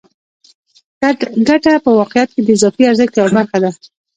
ګته په واقعیت کې د اضافي ارزښت یوه برخه ده